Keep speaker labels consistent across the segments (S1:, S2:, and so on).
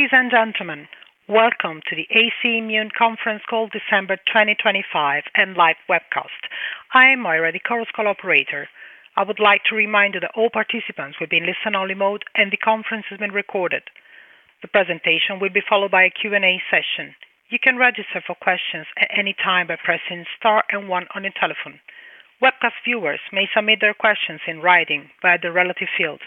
S1: Ladies and gentlemen, welcome to the AC Immune Conference Call, December 2025, and live webcast. I am Moira, the call's operator. I would like to remind you that all participants will be in listen-only mode and the conference has been recorded. The presentation will be followed by a Q&A session. You can register for questions at any time by pressing Star and 1 on your telephone. Webcast viewers may submit their questions in writing via the relevant field.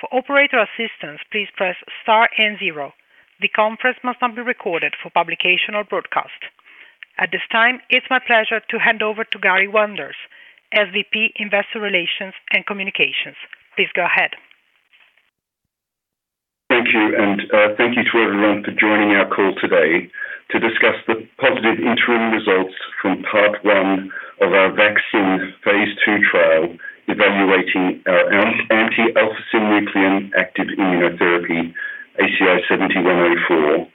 S1: For operator assistance, please press Star and 0. The conference must not be recorded for publication or broadcast. At this time, it's my pleasure to hand over to Gary Wanders, SVP, Investor Relations and Communications. Please go ahead.
S2: Thank you, and thank you to everyone for joining our call today to discuss the positive interim results from part one of our vaccine phase two trial evaluating our anti-alpha-synuclein active immunotherapy, ACI-7104,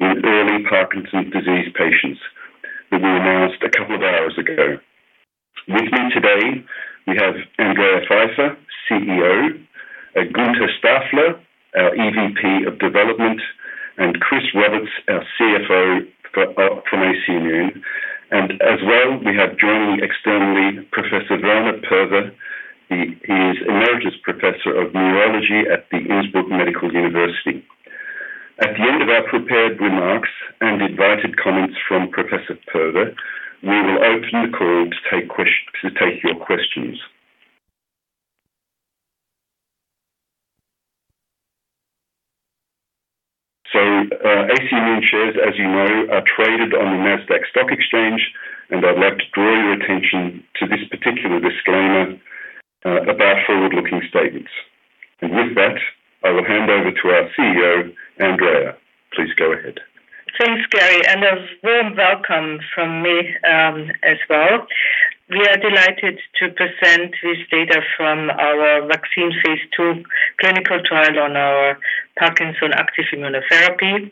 S2: in early Parkinson's disease patients that we announced a couple of hours ago. With me today, we have Andrea Pfeifer, CEO; Günther Staffler, our EVP of Development; and Chris Roberts, our CFO from AC Immune, and as well, we have joining externally, Professor Werner Poewe. He is Emeritus Professor of Neurology at the Medical University of Innsbruck. At the end of our prepared remarks and invited comments from Professor Poewe, we will open the call to take your questions, so AC Immune shares, as you know, are traded on the NASDAQ stock exchange, and I'd like to draw your attention to this particular disclaimer about forward-looking statements. And with that, I will hand over to our CEO, Andrea. Please go ahead.
S3: Thanks, Gary, and a warm welcome from me as well. We are delighted to present this data from our vaccine phase 2 clinical trial on our Parkinson's active immunotherapy.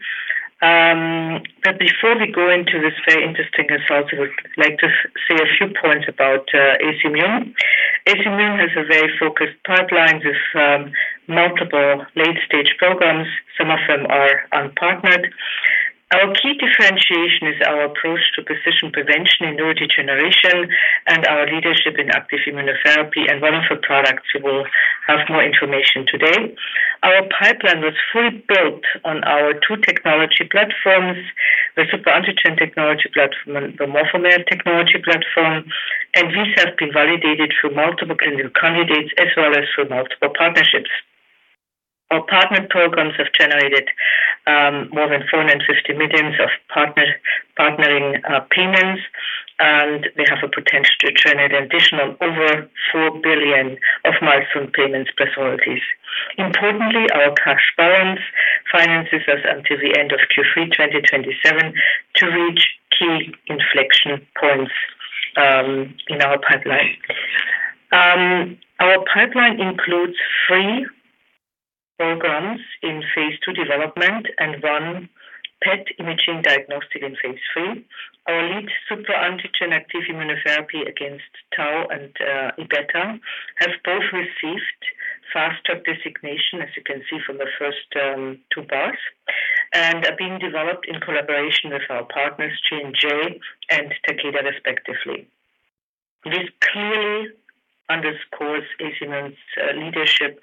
S3: But before we go into these very interesting results, I would like to say a few points about AC Immune. AC Immune has a very focused pipeline with multiple late-stage programs, some of them are unpartnered. Our key differentiation is our approach to precision prevention in neurodegeneration and our leadership in active immunotherapy, and one of the products you will have more information about today. Our pipeline was fully built on our two technology platforms: the SupraAntigen technology platform and the Morphomere technology platform, and these have been validated through multiple clinical candidates as well as through multiple partnerships. Our partner programs have generated more than 450 million of partnering payments, and they have a potential to generate an additional over 4 billion of milestone payments plus royalties. Importantly, our cash balance finances us until the end of Q3 2027 to reach key inflection points in our pipeline. Our pipeline includes three programs in phase two development and one PET imaging diagnostic in phase three. Our lead superantigen active immunotherapy against tau and ibetta have both received fast-track designation, as you can see from the first two bars, and are being developed in collaboration with our partners, G&J and Takeda, respectively. This clearly underscores AC Immune's leadership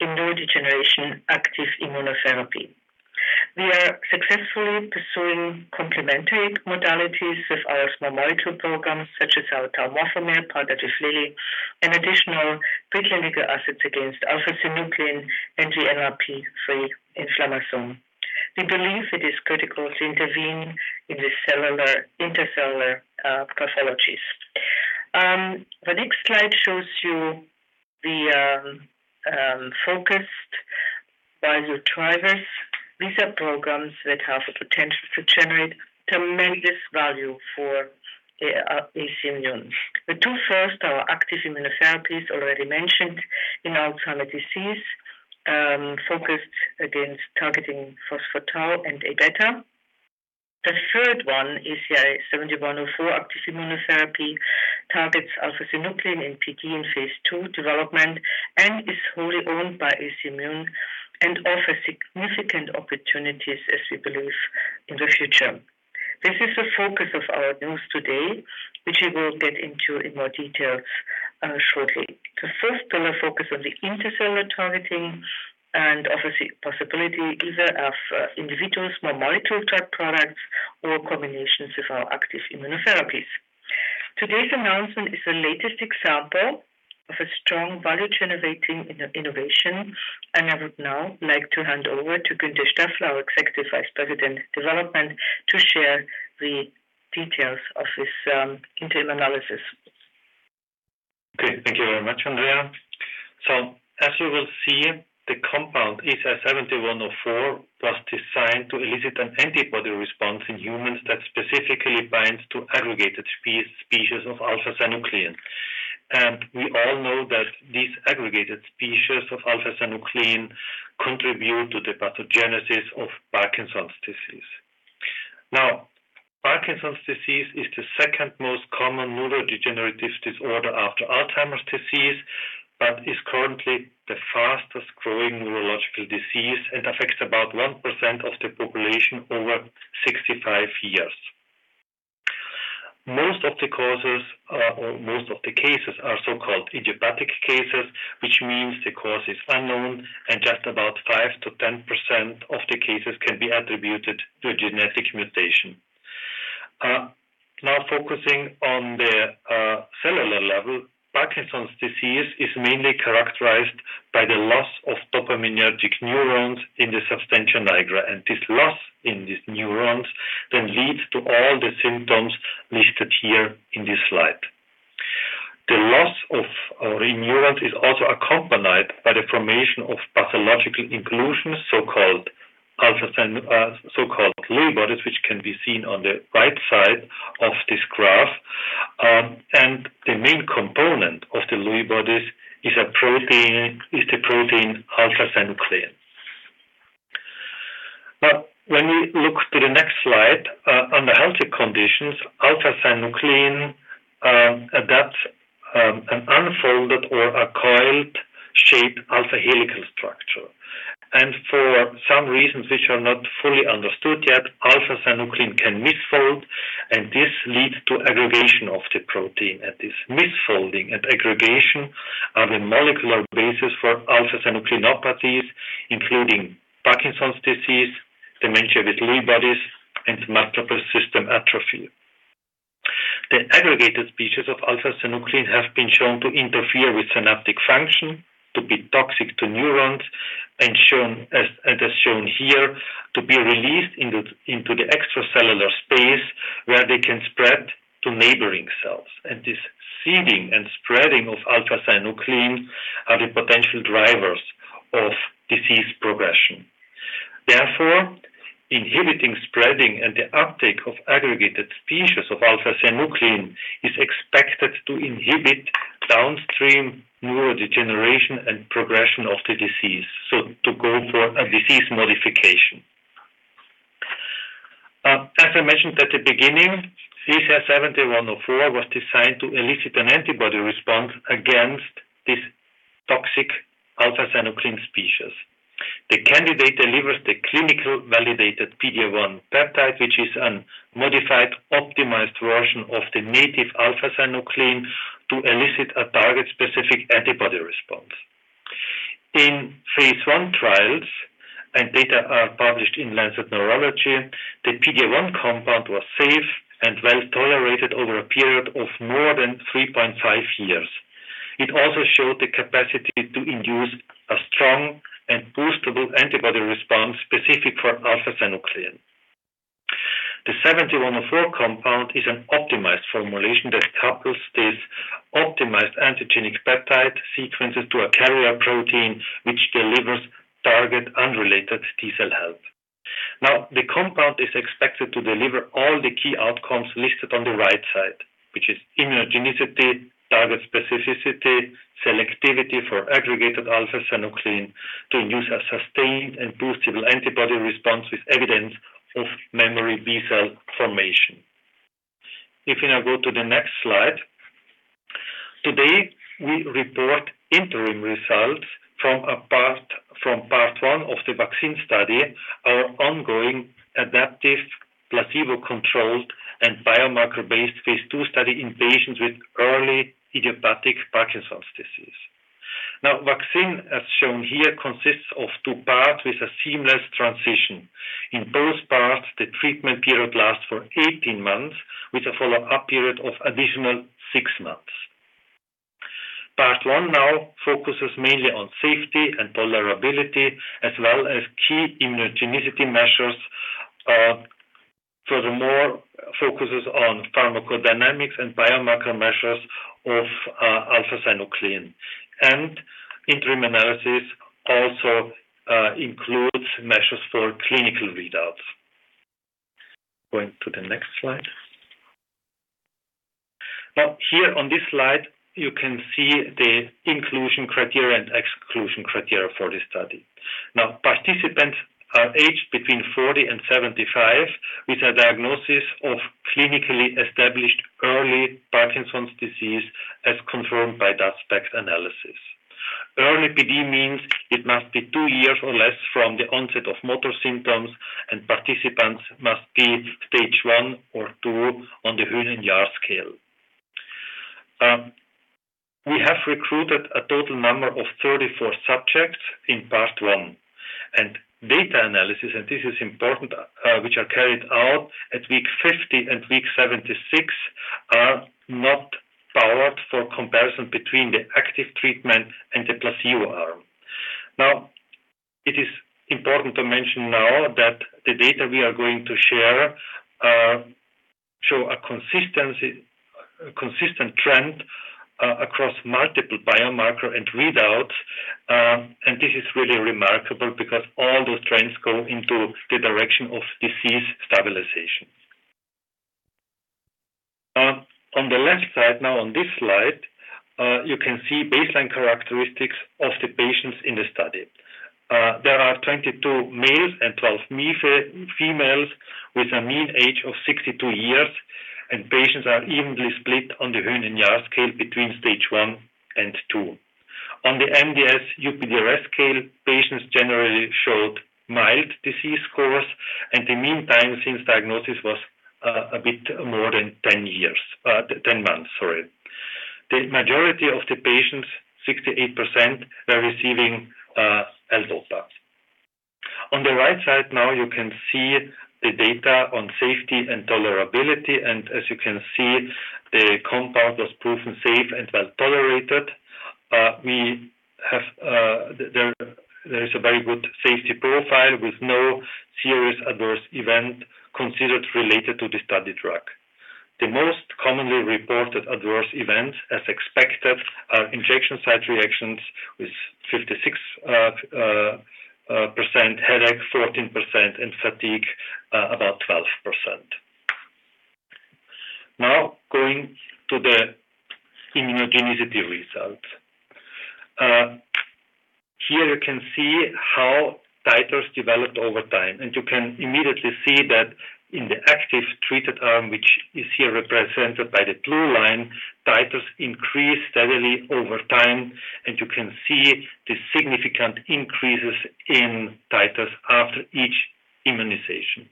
S3: in neurodegeneration active immunotherapy. We are successfully pursuing complementary modalities with our small molecule programs, such as our tau Morphomer, palbratiflilin, and additional preclinical assets against alpha-synuclein and the NRP-free inflammasome. We believe it is critical to intervene in the cellular, intercellular pathologies. The next slide shows you the focused value drivers. These are programs that have the potential to generate tremendous value for AC Immune. The two first are active immunotherapies, already mentioned in Alzheimer's disease, focused against targeting phospho-tau and amyloid-beta. The third one, ACI-7104 active immunotherapy, targets alpha-synuclein and PD in phase 2 development and is wholly owned by AC Immune and offers significant opportunities, as we believe, in the future. This is the focus of our news today, which we will get into in more detail shortly. The fourth pillar focuses on the intercellular targeting and offers the possibility either of individual small molecule drug products or combinations with our active immunotherapies. Today's announcement is the latest example of a strong value-generating innovation, and I would now like to hand over to Günther Staffler, our Executive Vice President of Development, to share the details of his interim analysis.
S4: Okay, thank you very much, Andrea. So, as you will see, the compound ACI-7104 was designed to elicit an antibody response in humans that specifically binds to aggregated species of alpha-synuclein. And we all know that these aggregated species of alpha-synuclein contribute to the pathogenesis of Parkinson's disease. Now, Parkinson's disease is the second most common neurodegenerative disorder after Alzheimer's disease, but is currently the fastest growing neurological disease and affects about 1% of the population over 65 years. Most of the causes, or most of the cases, are so-called idiopathic cases, which means the cause is unknown, and just about 5%-10% of the cases can be attributed to a genetic mutation. Now, focusing on the cellular level, Parkinson's disease is mainly characterized by the loss of dopaminergic neurons in the substantia nigra, and this loss in these neurons then leads to all the symptoms listed here in this slide. The loss of neurons is also accompanied by the formation of pathological inclusions, so-called Lewy bodies, which can be seen on the right side of this graph. And the main component of the Lewy bodies is the protein alpha-synuclein. Now, when we look to the next slide, under healthy conditions, alpha-synuclein adopts an unfolded or a coiled-shaped alpha-helical structure. And for some reasons which are not fully understood yet, alpha-synuclein can misfold, and this leads to aggregation of the protein. And this misfolding and aggregation are the molecular basis for alpha-synucleinopathies, including Parkinson's disease, dementia with Lewy bodies, and multiple system atrophy. The aggregated species of alpha-synuclein have been shown to interfere with synaptic function, to be toxic to neurons, and, as shown here, to be released into the extracellular space where they can spread to neighboring cells, and this seeding and spreading of alpha-synuclein are the potential drivers of disease progression. Therefore, inhibiting spreading and the uptake of aggregated species of alpha-synuclein is expected to inhibit downstream neurodegeneration and progression of the disease, so to go for a disease modification. As I mentioned at the beginning, ACI-7104 was designed to elicit an antibody response against this toxic alpha-synuclein species. The candidate delivers the clinically validated PDA1 peptide, which is a modified, optimized version of the native alpha-synuclein to elicit a target-specific antibody response. In phase one trials and data are published in Lancet Neurology, the PDA1 compound was safe and well tolerated over a period of more than 3.5 years. It also showed the capacity to induce a strong and boostable antibody response specific for alpha-synuclein. The ACI-7104 compound is an optimized formulation that couples this optimized antigenic peptide sequences to a carrier protein, which delivers target-unrelated T cell help. Now, the compound is expected to deliver all the key outcomes listed on the right side, which is immunogenicity, target specificity, selectivity for aggregated alpha-synuclein to induce a sustained and boostable antibody response with evidence of memory B cell formation. If we now go to the next slide, today we report interim results from part one of the vaccine study, our ongoing adaptive placebo-controlled and biomarker-based phase two study in patients with early idiopathic Parkinson's disease. Now, the vaccine, as shown here, consists of two parts with a seamless transition. In both parts, the treatment period lasts for 18 months, with a follow-up period of additional six months. Part one now focuses mainly on safety and tolerability, as well as key immunogenicity measures. Furthermore, it focuses on pharmacodynamics and biomarker measures of alpha-synuclein, and interim analysis also includes measures for clinical readouts. Going to the next slide. Now, here on this slide, you can see the inclusion criteria and exclusion criteria for this study. Now, participants are aged between 40 and 75, with a diagnosis of clinically established early Parkinson's disease as confirmed by DaT-SPECT analysis. Early PD means it must be two years or less from the onset of motor symptoms, and participants must be stage one or two on the Hoehn and Yahr scale. We have recruited a total number of 34 subjects in part one, and data analysis, and this is important, which are carried out at week 50 and week 76, are not powered for comparison between the active treatment and the placebo arm. Now, it is important to mention now that the data we are going to share show a consistent trend across multiple biomarkers and readouts, and this is really remarkable because all those trends go in the direction of disease stabilization. On the left side now, on this slide, you can see baseline characteristics of the patients in the study. There are 22 males and 12 females with a mean age of 62 years, and patients are evenly split on the Hoehn and Yahr scale between stage one and two. On the MDS-UPDRS scale, patients generally showed mild disease scores, and the mean time since diagnosis was a bit more than 10 months, sorry. The majority of the patients, 68%, are receiving L-DOPA. On the right side now, you can see the data on safety and tolerability, and as you can see, the compound was proven safe and well tolerated. There is a very good safety profile with no serious adverse event considered related to the study drug. The most commonly reported adverse events, as expected, are injection site reactions with 56% headache, 14%, and fatigue about 12%. Now, going to the immunogenicity results. Here, you can see how titers developed over time, and you can immediately see that in the active treated arm, which is here represented by the blue line, titers increased steadily over time, and you can see the significant increases in titers after each immunization.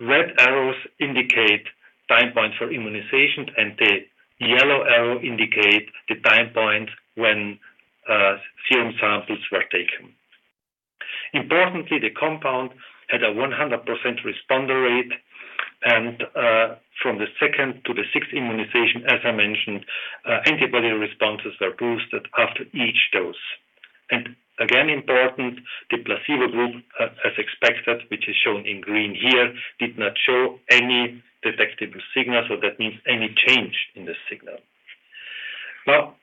S4: Red arrows indicate time points for immunization, and the yellow arrow indicates the time points when serum samples were taken. Importantly, the compound had a 100% responder rate, and from the second to the sixth immunization, as I mentioned, antibody responses were boosted after each dose. Again, important, the placebo group, as expected, which is shown in green here, did not show any detectable signal, so that means any change in the signal. Now,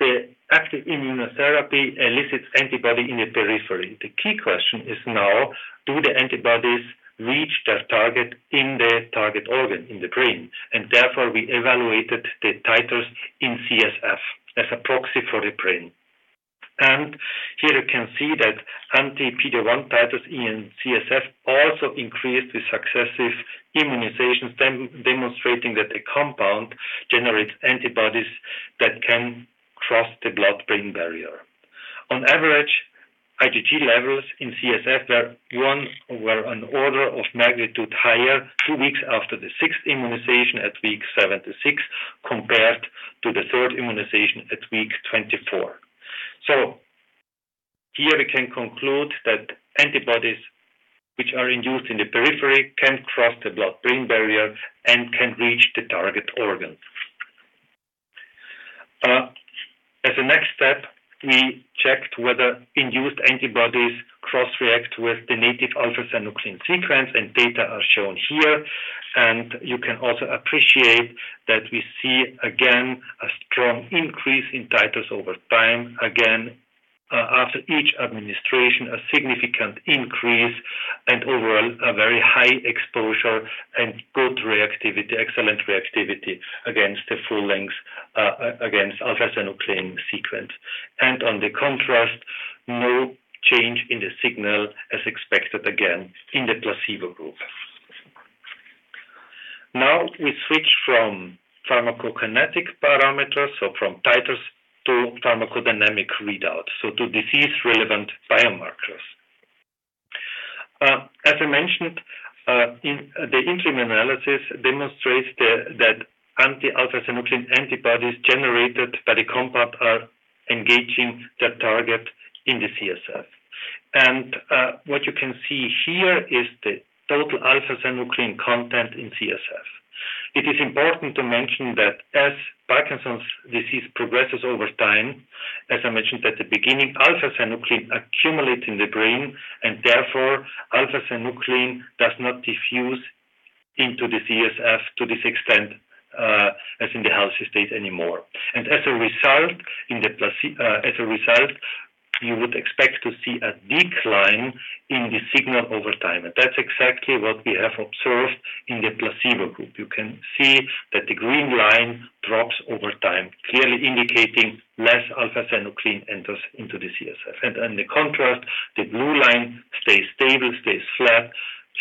S4: the active immunotherapy elicits antibody in the periphery. The key question is now, do the antibodies reach their target in the target organ, in the brain? Therefore, we evaluated the titers in CSF as a proxy for the brain. Here, you can see that anti-PDA1 titers in CSF also increased with successive immunizations, demonstrating that the compound generates antibodies that can cross the blood-brain barrier. On average, IgG levels in CSF were an order of magnitude higher two weeks after the sixth immunization at week 76 compared to the third immunization at week 24. Here, we can conclude that antibodies which are induced in the periphery can cross the blood-brain barrier and can reach the target organ. As a next step, we checked whether induced antibodies cross-react with the native alpha-synuclein sequence, and data are shown here, and you can also appreciate that we see again a strong increase in titers over time. Again, after each administration, a significant increase and overall a very high exposure and good reactivity, excellent reactivity against the full-length, against alpha-synuclein sequence, and in contrast, no change in the signal, as expected again in the placebo group. Now, we switch from pharmacokinetic parameters, so from titers to pharmacodynamic readouts, so to disease-relevant biomarkers. As I mentioned, the interim analysis demonstrates that anti-alpha-synuclein antibodies generated by the compound are engaging the target in the CSF, and what you can see here is the total alpha-synuclein content in CSF. It is important to mention that as Parkinson's disease progresses over time, as I mentioned at the beginning, alpha-synuclein accumulates in the brain, and therefore, alpha-synuclein does not diffuse into the CSF to this extent as in the healthy state anymore. And as a result, you would expect to see a decline in the signal over time, and that's exactly what we have observed in the placebo group. You can see that the green line drops over time, clearly indicating less alpha-synuclein enters into the CSF. And in contrast, the blue line stays stable, stays flat,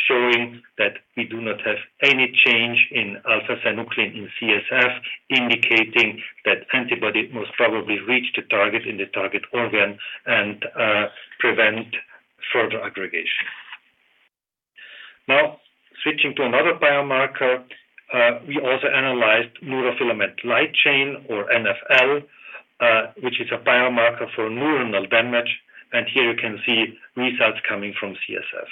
S4: showing that we do not have any change in alpha-synuclein in CSF, indicating that antibody most probably reached the target in the target organ and prevents further aggregation. Now, switching to another biomarker, we also analyzed neurofilament light chain, or NFL, which is a biomarker for neuronal damage, and here you can see results coming from CSF.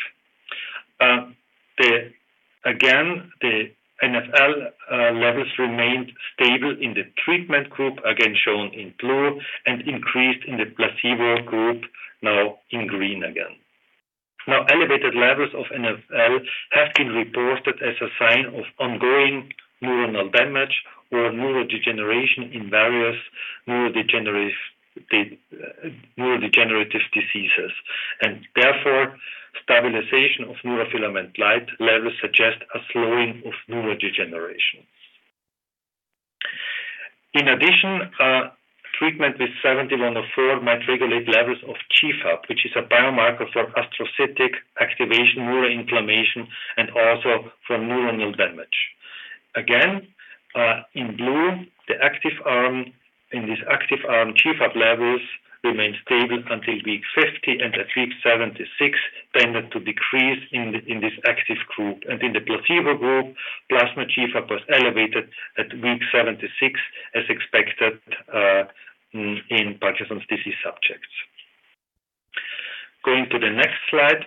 S4: Again, the NFL levels remained stable in the treatment group, again shown in blue, and increased in the placebo group, now in green again. Now, elevated levels of NFL have been reported as a sign of ongoing neuronal damage or neurodegeneration in various neurodegenerative diseases, and therefore, stabilization of neurofilament light levels suggests a slowing of neurodegeneration. In addition, treatment with 7104 might regulate levels of GFAP, which is a biomarker for astrocytic activation, neuroinflammation, and also for neuronal damage. Again, in blue, the active arm. In this active arm, GFAP levels remained stable until week 50, and at week 76, tended to decrease in this active group. In the placebo group, plasma GFAP was elevated at week 76, as expected in Parkinson's disease subjects. Going to the next slide.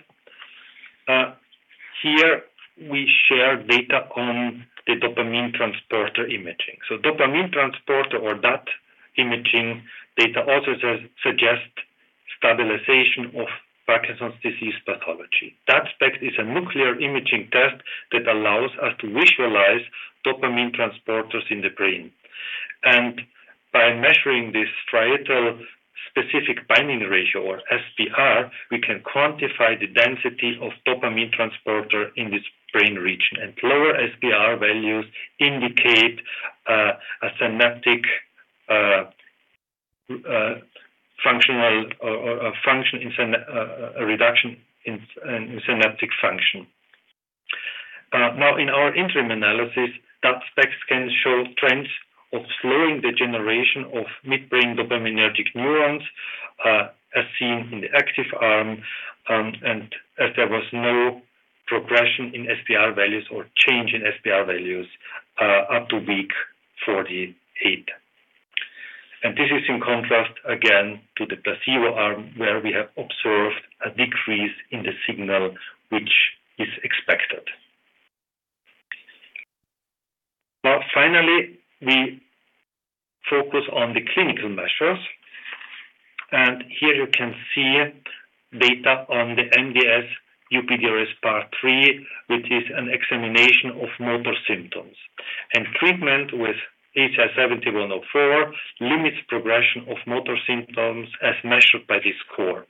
S4: Here, we share data on the dopamine transporter imaging. So dopamine transporter, or DaT imaging data, also suggests stabilization of Parkinson's disease pathology. DaT-SPECT is a nuclear imaging test that allows us to visualize dopamine transporters in the brain. And by measuring this striatal specific binding ratio, or SBR, we can quantify the density of dopamine transporter in this brain region. And lower SBR values indicate a synaptic function reduction in synaptic function. Now, in our interim analysis, DaT-SPECT scans show trends of slowing degeneration of midbrain dopaminergic neurons, as seen in the active arm, and as there was no progression in SBR values or change in SBR values up to week 48. And this is in contrast, again, to the placebo arm, where we have observed a decrease in the signal, which is expected. Now, finally, we focus on the clinical measures. And here, you can see data on the MDS-UPDRS Part III, which is an examination of motor symptoms. And treatment with ACI-7104 limits progression of motor symptoms as measured by this score.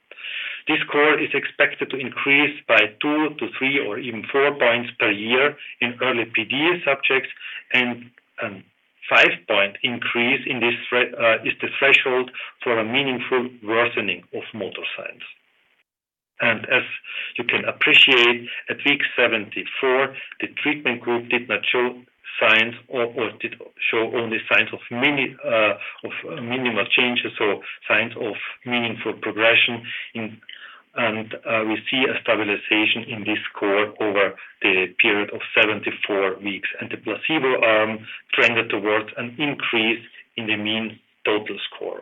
S4: This score is expected to increase by two to three or even four points per year in early PD subjects, and five-point increase in this is the threshold for a meaningful worsening of motor signs. And as you can appreciate, at week 74, the treatment group did not show signs or did show only signs of minimal changes, so signs of meaningful progression. And we see a stabilization in this score over the period of 74 weeks. The placebo arm trended towards an increase in the mean total score.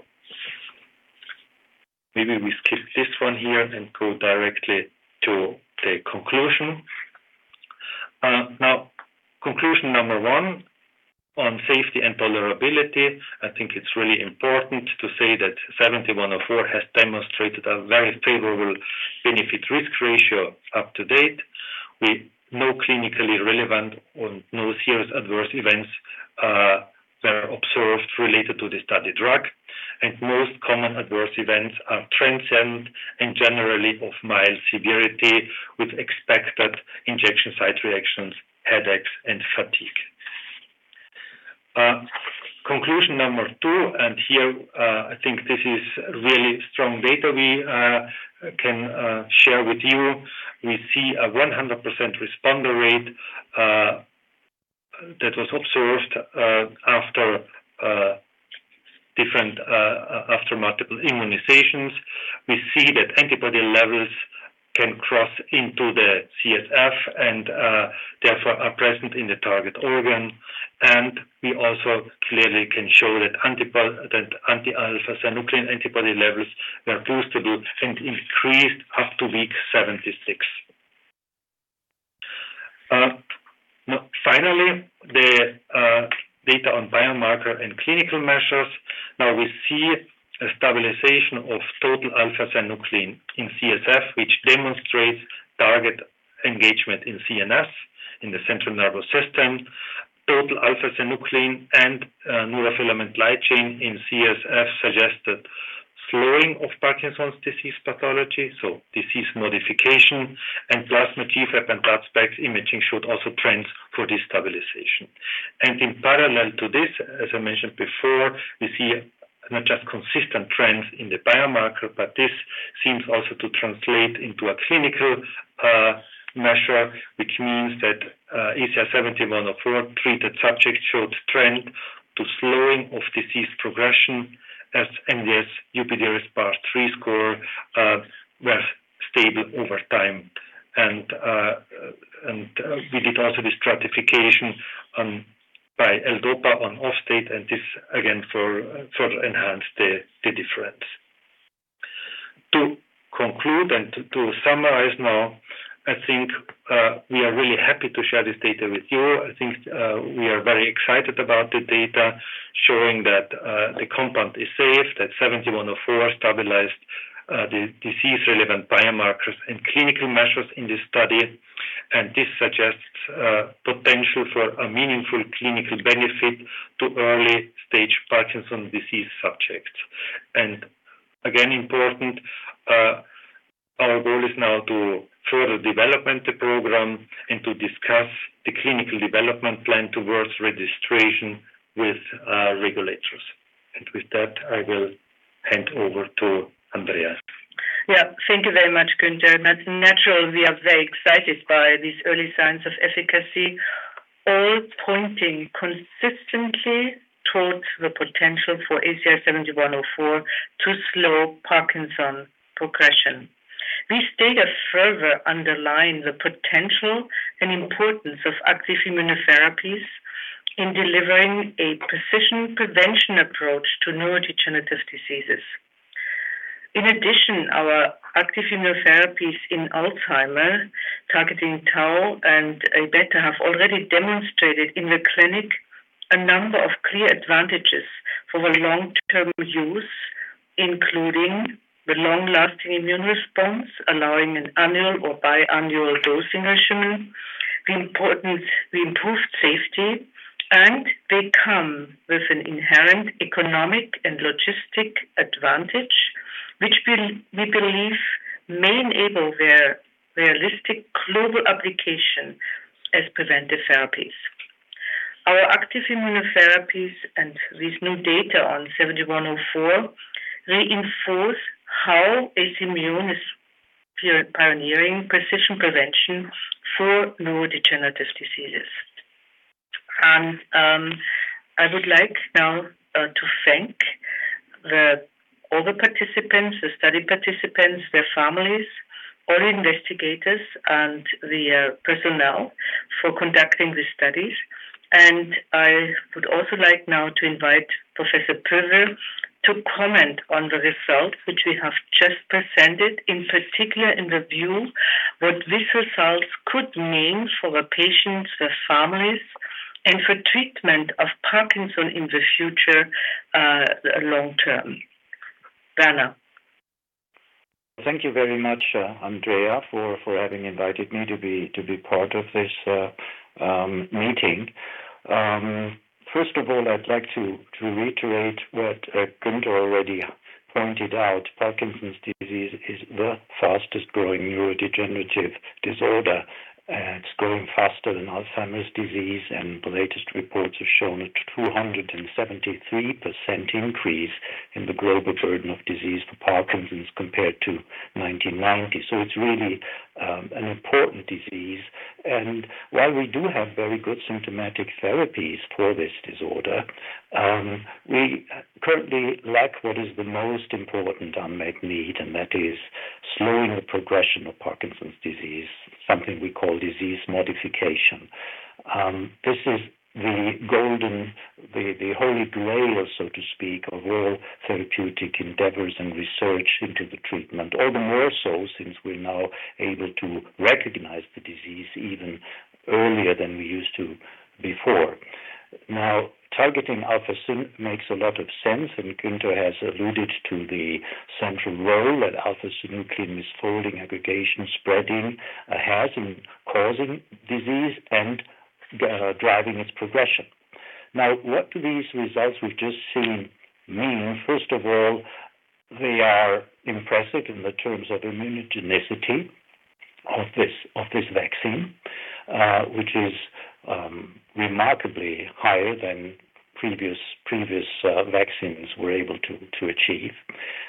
S4: Maybe we skip this one here and go directly to the conclusion. Now, conclusion number one on safety and tolerability. I think it's really important to say that ACI-7104 has demonstrated a very favorable benefit-risk ratio to date. No clinically relevant or no serious adverse events were observed related to the study drug. And most common adverse events are transient and generally of mild severity, with expected injection site reactions, headaches, and fatigue. Conclusion number two, and here, I think this is really strong data we can share with you. We see a 100% responder rate that was observed after multiple immunizations. We see that antibody levels can cross into the CSF and therefore are present in the target organ. We also clearly can show that anti-alpha-synuclein antibody levels were boostable and increased up to week 76. Finally, the data on biomarker and clinical measures. Now, we see a stabilization of total alpha-synuclein in CSF, which demonstrates target engagement in CNS, in the central nervous system. Total alpha-synuclein and neurofilament light chain in CSF suggested slowing of Parkinson's disease pathology, so disease modification. And plasma GFAP and DaT-SPECT imaging showed also trends for this stabilization. And in parallel to this, as I mentioned before, we see not just consistent trends in the biomarker, but this seems also to translate into a clinical measure, which means that ACI-7104 treated subjects showed trend to slowing of disease progression, as MDS-UPDRS Part III score was stable over time. And we did also this stratification by L-DOPA on/off state, and this again further enhanced the difference. To conclude and to summarize now, I think we are really happy to share this data with you. I think we are very excited about the data showing that the compound is safe, that 7104 stabilized the disease-relevant biomarkers and clinical measures in this study, and this suggests potential for a meaningful clinical benefit to early-stage Parkinson's disease subjects, and, again, important, our goal is now to further develop the program and to discuss the clinical development plan towards registration with regulators, and with that, I will hand over to Andrea.
S3: Yeah, thank you very much, Günter. That's wonderful. We are very excited by these early signs of efficacy, all pointing consistently towards the potential for ACI 7104 to slow Parkinson's progression. This data further underlines the potential and importance of active immunotherapies in delivering a precision prevention approach to neurodegenerative diseases. In addition, our active immunotherapies in Alzheimer's, targeting tau and amyloid-beta, have already demonstrated in the clinic a number of clear advantages for the long-term use, including the long-lasting immune response, allowing an annual or biannual dosing regimen. We improved safety, and they come with an inherent economic and logistic advantage, which we believe may enable their realistic global application as preventive therapies. Our active immunotherapies and this new data on 7104 reinforce how AC Immune is pioneering precision prevention for neurodegenerative diseases. And I would like now to thank all the participants, the study participants, their families, all investigators, and the personnel for conducting the studies. And I would also like now to invite Professor Poewe to comment on the results, which we have just presented, in particular in review what these results could mean for patients, their families, and for treatment of Parkinson's in the future long term. Werner.
S5: Thank you very much, Andrea, for having invited me to be part of this meeting. First of all, I'd like to reiterate what Günther already pointed out. Parkinson's disease is the fastest-growing neurodegenerative disorder. It's growing faster than Alzheimer's disease, and the latest reports have shown a 273% increase in the global burden of disease for Parkinson's compared to 1990. So it's really an important disease. And while we do have very good symptomatic therapies for this disorder, we currently lack what is the most important unmet need, and that is slowing the progression of Parkinson's disease, something we call disease modification. This is the golden, the holy grail, so to speak, of all therapeutic endeavors and research into the treatment, all the more so since we're now able to recognize the disease even earlier than we used to before. Now, targeting alpha-synuclein makes a lot of sense, and Günther has alluded to the central role that alpha-synuclein misfolding aggregation spreading has in causing disease and driving its progression. Now, what do these results we've just seen mean? First of all, they are impressive in the terms of immunogenicity of this vaccine, which is remarkably higher than previous vaccines were able to achieve.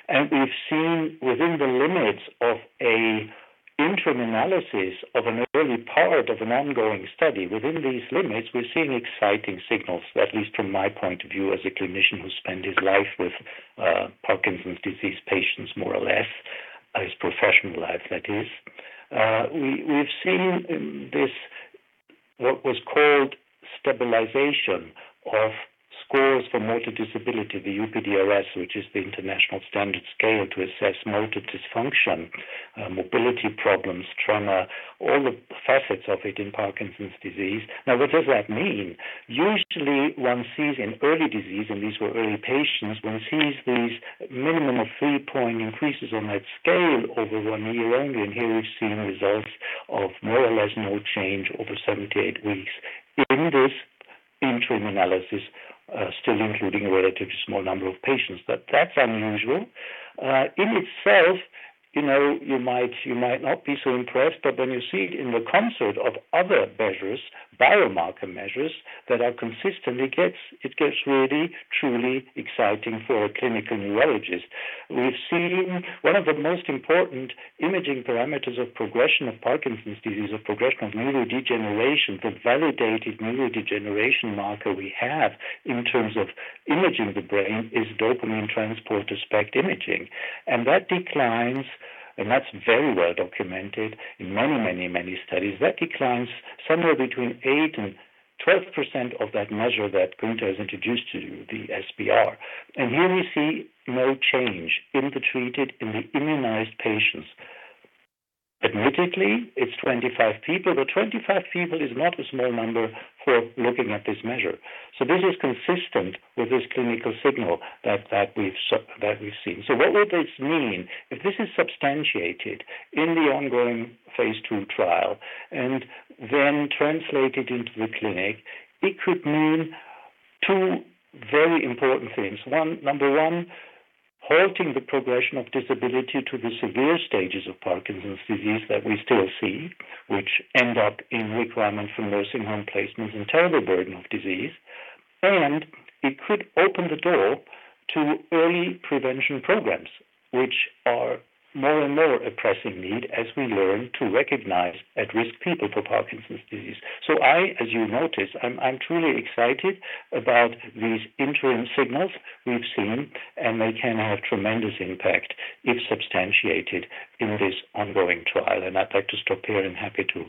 S5: And we've seen, within the limits of an interim analysis of an early part of an ongoing study, within these limits, we're seeing exciting signals, at least from my point of view as a clinician who spent his life with Parkinson's disease patients, more or less, his professional life, that is. We've seen what was called stabilization of scores for motor disability, the UPDRS, which is the International Standard Scale to Assess Motor Dysfunction, mobility problems, tremor, all the facets of it in Parkinson's disease. Now, what does that mean? Usually, one sees in early disease, and these were early patients, one sees these minimum of three-point increases on that scale over one year only. And here, we've seen results of more or less no change over 78 weeks in this interim analysis, still including a relatively small number of patients. But that's unusual. In itself, you might not be so impressed, but when you see it in the context of other measures, biomarker measures that are consistent, it gets really truly exciting for a clinical neurologist. We've seen one of the most important imaging parameters of progression of Parkinson's disease, of progression of neurodegeneration, the validated neurodegeneration marker we have in terms of imaging the brain is dopamine transporter SPECT imaging. And that declines, and that's very well documented in many, many, many studies, that declines somewhere between 8% and 12% of that measure that Günther has introduced to you, the SBR. And here, we see no change in the treated, in the immunized patients. Admittedly, it's 25 people, but 25 people is not a small number for looking at this measure. So this is consistent with this clinical signal that we've seen. So what would this mean? If this is substantiated in the ongoing phase two trial and then translated into the clinic, it could mean two very important things. Number one, halting the progression of disability to the severe stages of Parkinson's disease that we still see, which end up in requirement for nursing home placements and terrible burden of disease. It could open the door to early prevention programs, which are more and more a pressing need, as we learn, to recognize at-risk people for Parkinson's disease. So I, as you notice, I'm truly excited about these interim signals we've seen, and they can have tremendous impact if substantiated in this ongoing trial. I'd like to stop here and happy to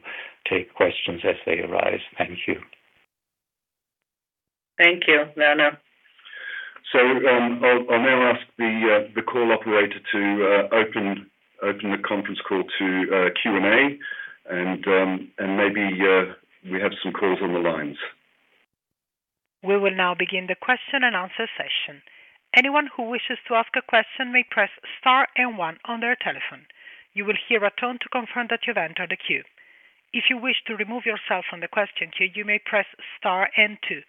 S5: take questions as they arise. Thank you.
S3: Thank you, Werner.
S2: I'll now ask the call operator to open the conference call to Q&A, and maybe we have some calls on the lines.
S1: We will now begin the question and answer session. Anyone who wishes to ask a question may press star and one on their telephone. You will hear a tone to confirm that you've entered a queue. If you wish to remove yourself from the question queue, you may press star and two.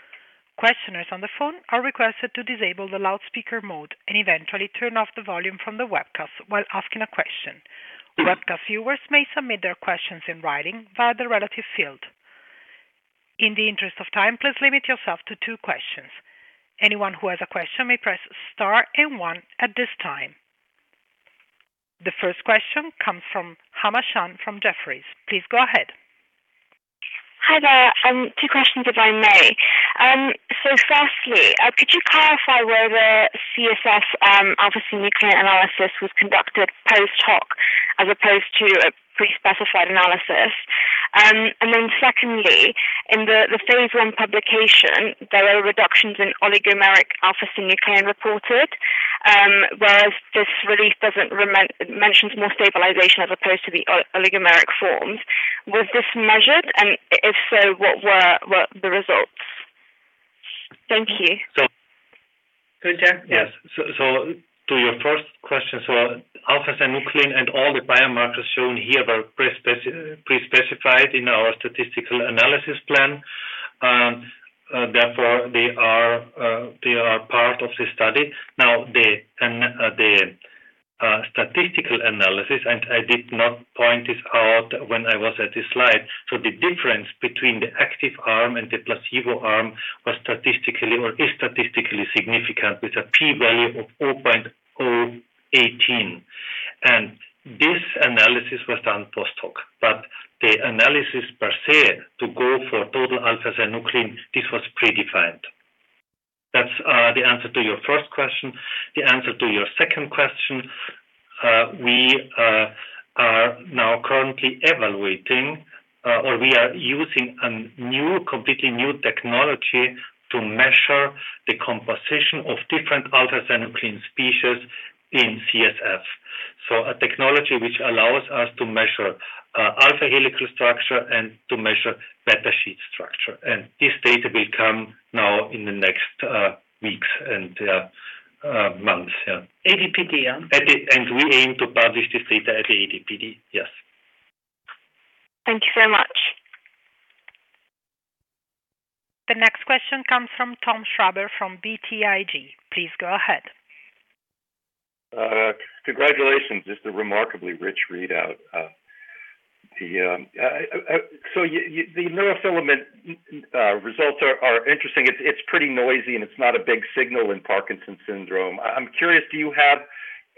S1: Questioners on the phone are requested to disable the loudspeaker mode and eventually turn off the volume from the webcast while asking a question. Webcast viewers may submit their questions in writing via the relative field. In the interest of time, please limit yourself to two questions. Anyone who has a question may press star and one at this time. The first question comes from Hama Shan from Jefferies. Please go ahead.
S6: Hi, there. Two questions, if I may. So firstly, could you clarify why the CSF alpha-synuclein analysis was conducted post-hoc as opposed to a pre-specified analysis? And then secondly, in the phase one publication, there were reductions in oligomeric alpha-synuclein reported, whereas this release mentions more stabilization as opposed to the oligomeric forms. Was this measured? And if so, what were the results?
S3: Thank you. Günther?
S4: Yes. To your first question, alpha-synuclein and all the biomarkers shown here were pre-specified in our statistical analysis plan. Therefore, they are part of the study. Now, the statistical analysis, and I did not point this out when I was at this slide. The difference between the active arm and the placebo arm was statistically or is statistically significant with a p-value of 0.018. This analysis was done post-hoc. But the analysis per se to go for total alpha-synuclein, this was predefined. That is the answer to your first question. The answer to your second question, we are now currently evaluating, or we are using a completely new technology to measure the composition of different alpha-synuclein species in CSF. So a technology which allows us to measure alpha-helical structure and to measure beta-sheath structure. This data will come now in the next weeks and months.
S5: ADPD, yeah. We aim to publish this data at the ADPD, yes.
S6: Thank you very much.
S1: The next question comes from Thomas Shrader from BTIG. Please go ahead.
S7: Congratulations. This is a remarkably rich readout. So the neurofilament results are interesting. It's pretty noisy, and it's not a big signal in Parkinson's syndrome. I'm curious, do you have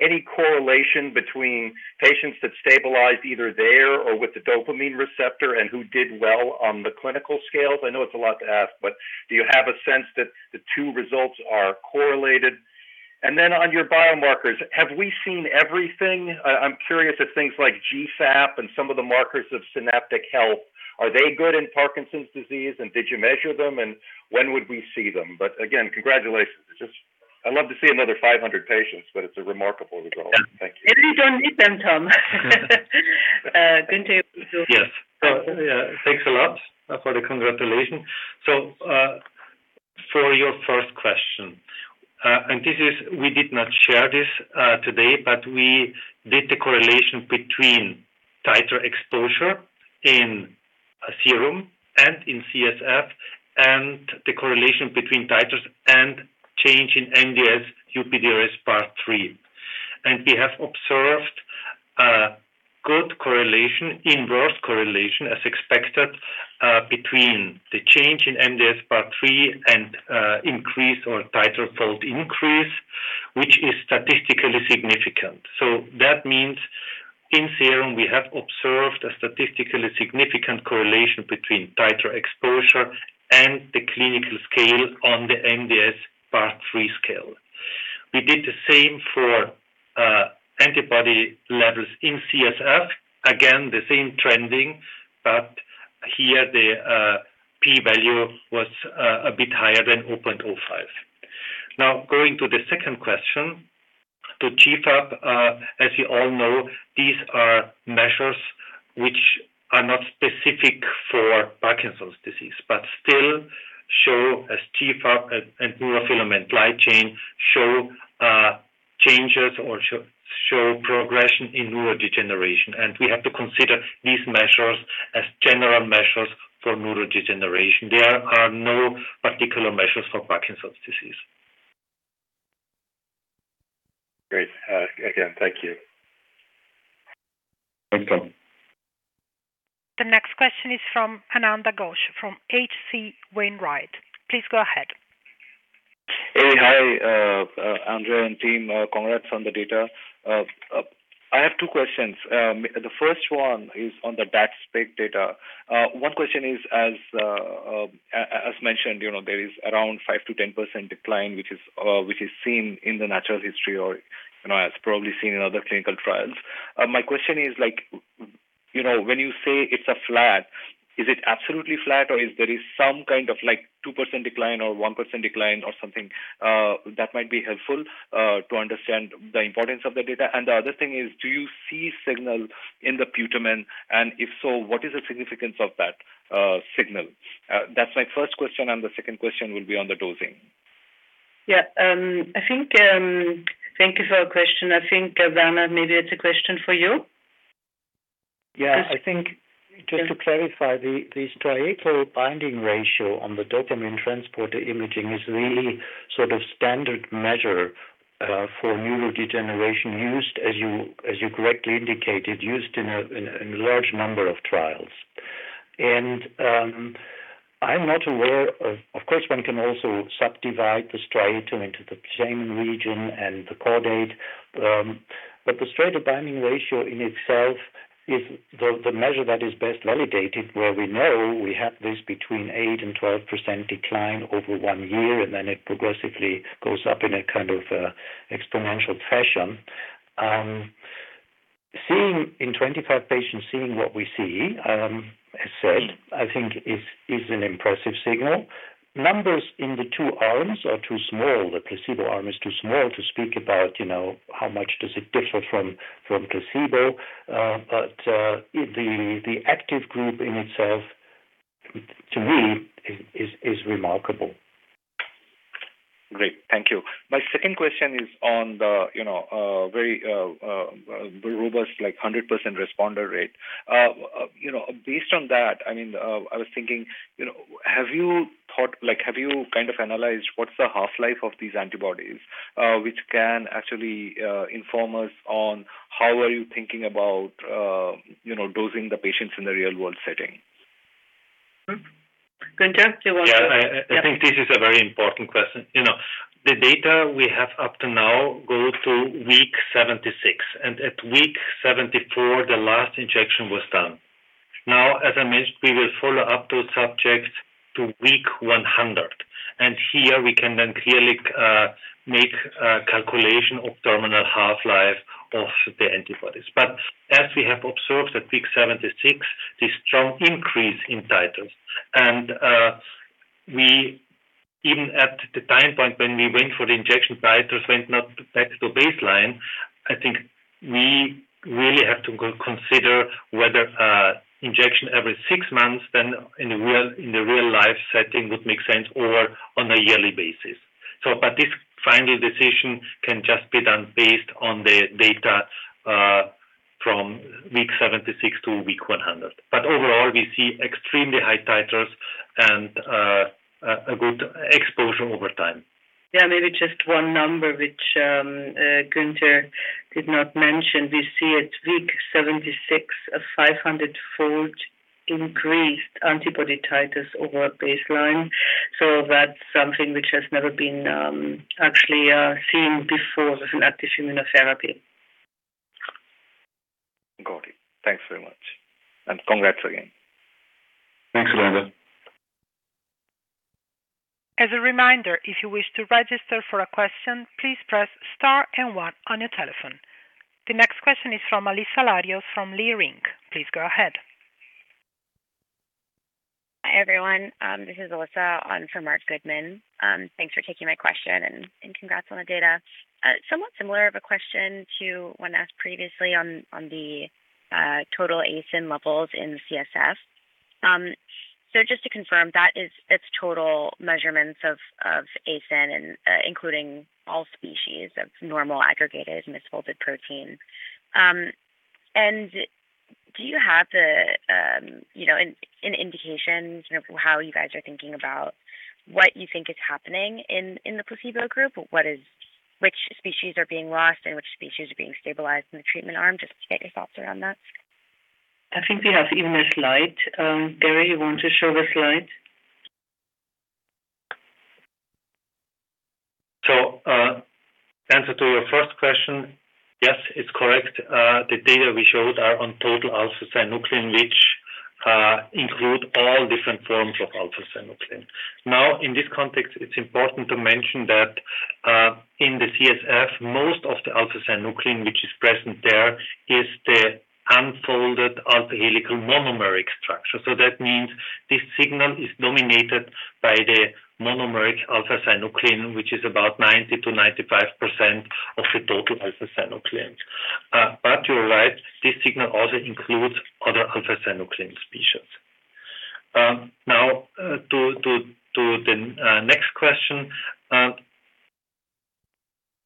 S7: any correlation between patients that stabilized either there or with the dopamine receptor and who did well on the clinical scales? I know it's a lot to ask, but do you have a sense that the two results are correlated? And then on your biomarkers, have we seen everything? I'm curious if things like GFAP and some of the markers of synaptic health, are they good in Parkinson's disease, and did you measure them, and when would we see them? But again, congratulations. I'd love to see another 500 patients, but it's a remarkable result. Thank you.
S3: Maybe we don't need them, Tom. Günter, you do.
S4: Yes. Thanks a lot for the congratulations. So for your first question, and we did not share this today, but we did the correlation between titer exposure in serum and in CSF and the correlation between titers and change in MDS UPDRS part three. And we have observed good correlation, inverse correlation, as expected, between the change in MDS part three and increase or titer fold increase, which is statistically significant. So that means in serum, we have observed a statistically significant correlation between titer exposure and the clinical scale on the MDS part three scale. We did the same for antibody levels in CSF. Again, the same trending, but here the p-value was a bit higher than 0.05. Now, going to the second question, the GFAP, as you all know, these are measures which are not specific for Parkinson's disease, but still show, as GFAP and neurofilament light chain show changes or show progression in neurodegeneration. And we have to consider these measures as general measures for neurodegeneration. There are no particular measures for Parkinson's disease.
S7: Great. Again, thank you.
S4: Thanks, Tom.
S1: The next question is from Ananda Ghosh from H.C. Wainwright. Please go ahead.
S8: Hey, hi, Andrea, and team. Congrats on the data. I have two questions. The first one is on the DaT-SPECT data. One question is, as mentioned, there is around 5%-10% decline, which is seen in the natural history or as probably seen in other clinical trials. My question is, when you say it's flat, is it absolutely flat, or is there some kind of 2% decline or 1% decline or something? That might be helpful to understand the importance of the data. And the other thing is, do you see signal in the putamen? And if so, what is the significance of that signal? That's my first question, and the second question will be on the dosing.
S3: Yeah. Thank you for the question. I think, Werner, maybe it's a question for you.
S5: Yeah. I think just to clarify, the striatal binding ratio on the dopamine transporter imaging is really sort of standard measure for neurodegeneration used, as you correctly indicated, used in a large number of trials. I'm not aware of, of course, one can also subdivide the striatal into the putamen region and the caudate, but the striatal binding ratio in itself is the measure that is best validated where we know we have this between 8%-12% decline over one year, and then it progressively goes up in a kind of exponential fashion. In 25 patients, seeing what we see, as said, I think is an impressive signal. Numbers in the two arms are too small. The placebo arm is too small to speak about how much does it differ from placebo. But the active group in itself, to me, is remarkable.
S8: Great. Thank you. My second question is on the very robust 100% responder rate. Based on that, I mean, I was thinking, have you thought, have you kind of analyzed what's the half-life of these antibodies, which can actually inform us on how are you thinking about dosing the patients in the real-world setting?
S3: Günther, do you want to?
S4: Yeah. I think this is a very important question. The data we have up to now go to week 76. And at week 74, the last injection was done. Now, as I mentioned, we will follow up those subjects to week 100. And here, we can then clearly make a calculation of terminal half-life of the antibodies. But as we have observed at week 76, the strong increase in titers. And even at the time point when we went for the injection, titers went back to baseline. I think we really have to consider whether injection every six months then in the real-life setting would make sense or on a yearly basis. But this final decision can just be done based on the data from week 76-week 100. But overall, we see extremely high titers and a good exposure over time.
S3: Yeah. Maybe just one number, which Günther did not mention. We see at week 76 a 500-fold increased antibody titers over baseline. So that's something which has never been actually seen before with an active immunotherapy.
S8: Got it. Thanks very much. And congrats again.
S4: Thanks, Ananda.
S1: As a reminder, if you wish to register for a question, please press star and one on your telephone. The next question is from Alyssa Larios from Leerink. Please go ahead.
S9: Hi, everyone. This is Alyssa from Marc Goodman. Thanks for taking my question. Congrats on the data. Somewhat similar of a question to one asked previously on the total alpha-synuclein levels in CSF. So just to confirm, that is its total measurements of alpha-synuclein, including all species of normal aggregated misfolded protein. Do you have an indication of how you guys are thinking about what you think is happening in the placebo group? Which species are being lost and which species are being stabilized in the treatment arm? Just to get your thoughts around that.
S3: I think we have even a slide. Gary, you want to show the slide?
S2: Answer to your first question, yes, it's correct. The data we showed are on total alpha-synuclein, which include all different forms of alpha-synuclein. Now, in this context, it's important to mention that in the CSF, most of the alpha-synuclein which is present there is the unfolded alpha-helical monomeric structure. That means this signal is dominated by the monomeric alpha-synuclein, which is about 90%-95% of the total alpha-synuclein. But you're right, this signal also includes other alpha-synuclein species. Now, to the next question,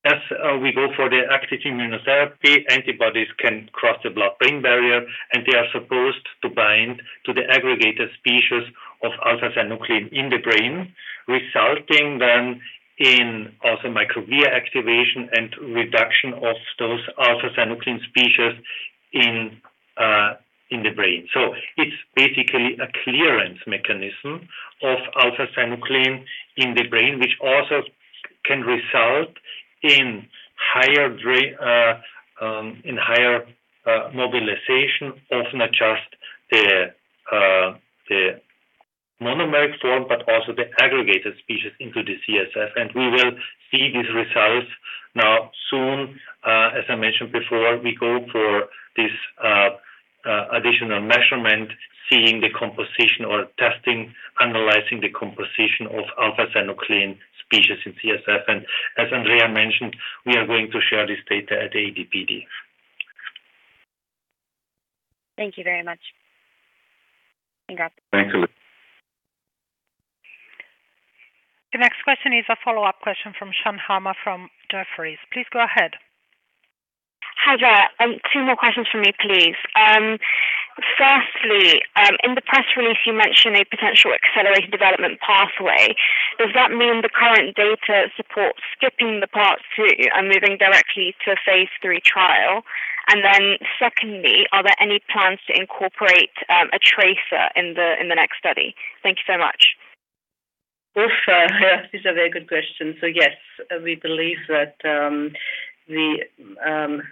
S2: as we go for the active immunotherapy, antibodies can cross the blood-brain barrier, and they are supposed to bind to the aggregated species of alpha-synuclein in the brain, resulting then in also microglial activation and reduction of those alpha-synuclein species in the brain. It's basically a clearance mechanism of alpha-synuclein in the brain, which also can result in higher mobilization of the monomeric form, but also the aggregated species into the CSF. We will see these results now soon. As I mentioned before, we go for this additional measurement, seeing the composition or testing, analyzing the composition of alpha-synuclein species in CSF. And as Andrea mentioned, we are going to share this data at ADPD.
S9: Thank you very much. Congrats.
S2: Thank you.
S1: The next question is a follow-up question from Sean Hammer from Jefferies. Please go ahead.
S10: Hi, there. Two more questions from me, please. Firstly, in the press release, you mentioned a potential accelerated development pathway. Does that mean the current data supports skipping the part two and moving directly to a phase three trial? And then secondly, are there any plans to incorporate a tracer in the next study? Thank you so much.
S3: Of course. Yeah, these are very good questions. So yes, we believe that we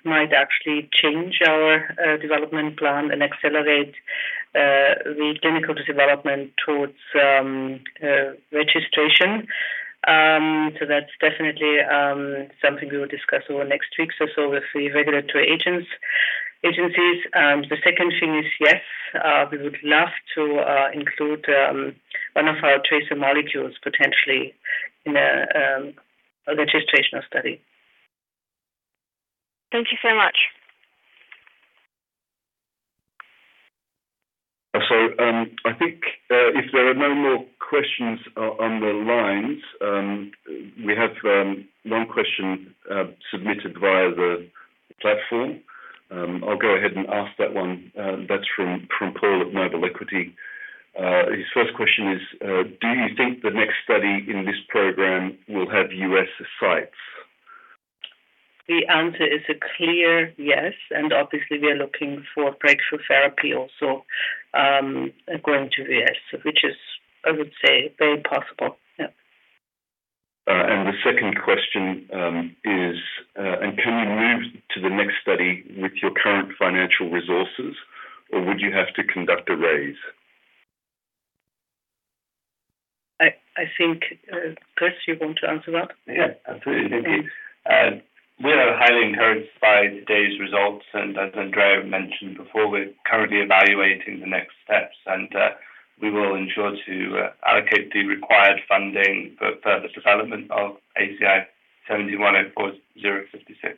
S3: might actually change our development plan and accelerate the clinical development towards registration. So that's definitely something we will discuss over next week's or so with the regulatory agencies. The second thing is, yes, we would love to include one of our tracer molecules potentially in a registration study.
S10: Thank you so much.
S2: So I think if there are no more questions on the lines, we have one question submitted via the platform. I'll go ahead and ask that one. That's from Paul at Noble Capital Markets. His first question is, do you think the next study in this program will have U.S. sites?
S3: The answer is a clear yes, and obviously, we are looking for breakthrough therapy also going to the U.S., which is, I would say, very possible. Yeah.
S2: And the second question is, can you move to the next study with your current financial resources, or would you have to conduct a raise?
S3: I think, Chris, you want to answer that?
S11: Yeah. Absolutely. Thank you. We are highly encouraged by today's results. As Andrea mentioned before, we're currently evaluating the next steps, and we will ensure to allocate the required funding for further development of ACI-7104.056.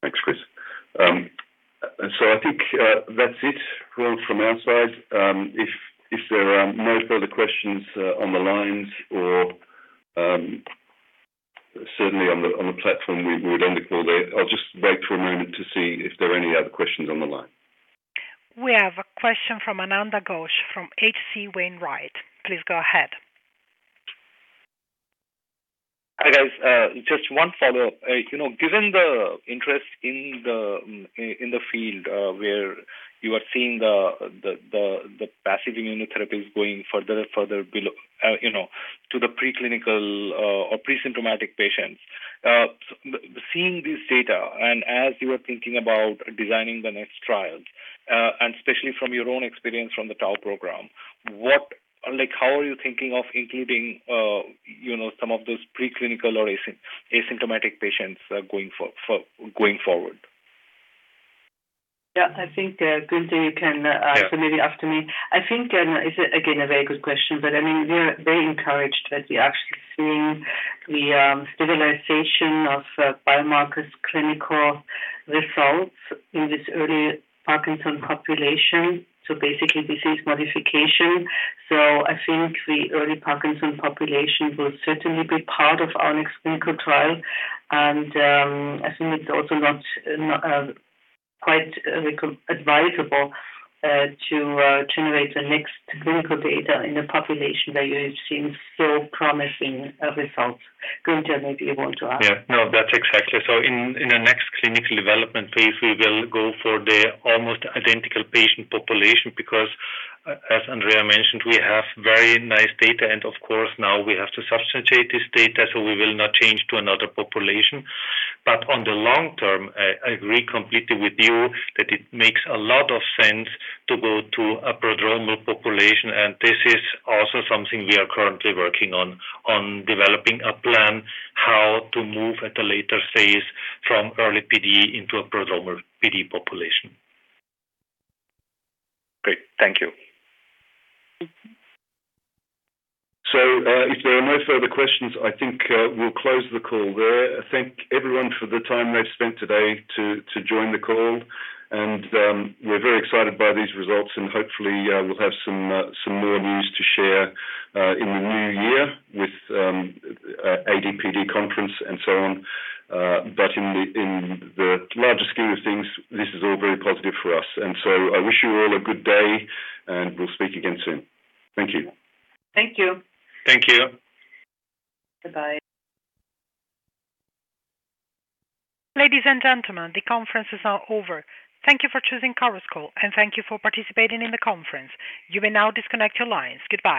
S2: Thanks, Chris. I think that's it from our side. If there are no further questions on the lines or certainly on the platform, we would end the call there. I'll just wait for a moment to see if there are any other questions on the line.
S1: We have a question from Ananda Ghosh from H.C. Wainwright. Please go ahead.
S8: Hi, guys. Just one follow-up. Given the interest in the field where you are seeing the passive immunotherapies going further and further to the preclinical or pre-symptomatic patients, seeing this data and as you are thinking about designing the next trials, and especially from your own experience from the TAU program, how are you thinking of including some of those preclinical or asymptomatic patients going forward?
S3: Yeah. I think, Günther, you can follow me up to me. I think, again, a very good question, but I mean, we are very encouraged that we are actually seeing the stabilization of biomarkers clinical results in this early Parkinson population. So basically, disease modification. So I think the early Parkinson population will certainly be part of our next clinical trial. And I think it's also not quite advisable to generate the next clinical data in a population where you've seen so promising results. Günther, maybe you want to add.
S4: Yeah. No, that's exactly. So in the next clinical development phase, we will go for the almost identical patient population because, as Andrea mentioned, we have very nice data. And of course, now we have to substantiate this data, so we will not change to another population. But on the long term, I agree completely with you that it makes a lot of sense to go to a prodromal population. And this is also something we are currently working on, on developing a plan how to move at the later stage from early PD into a prodromal PD population.
S2: Great. Thank you. So if there are no further questions, I think we'll close the call there. Thank everyone for the time they've spent today to join the call, and we're very excited by these results. And hopefully, we'll have some more news to share in the new year with ADPD conference and so on. But in the larger scheme of things, this is all very positive for us. And so I wish you all a good day, and we'll speak again soon. Thank you.
S3: Thank you. Thank you. Goodbye.
S1: Ladies and gentlemen, the conference is over. Thank you for choosing Chorus Call, and thank you for participating in the conference. You may now disconnect your lines. Goodbye.